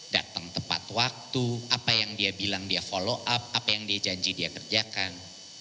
datang tepat waktu apa yang dia bilang dia follow up apa yang dia janji dia kerjakan